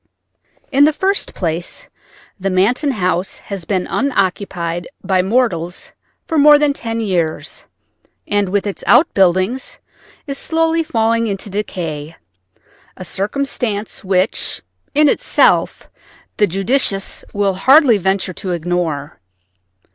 In the first place the Manton house has been unoccupied by mortals for more than ten years, and with its outbuildings is slowly falling into decay—a circumstance which in itself the judicious will hardly venture to ignore.